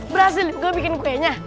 berhasil gue bikin kuenya